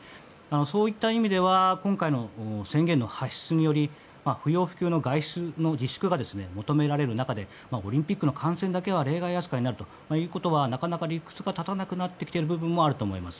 そういった意味では今回の宣言の発出により不要不急の外出の自粛が求められる中でオリンピックの観戦だけは例外扱いになるということはなかなか理屈が立たなくなってきている部分もあると思います。